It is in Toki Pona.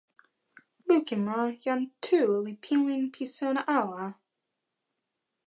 lukin la, jan Tu li pilin pi sona ala.